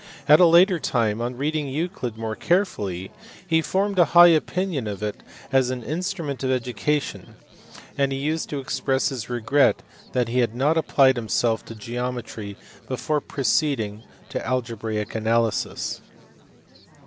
At a later time on reading Euclid more carefully he formed a high opinion of it as an instrument of education, and he used to express his regret that he had not applied himself to geometry before proceeding to algebraic analysis.